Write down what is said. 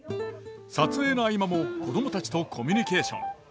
撮影の合間も子供たちとコミュニケーション。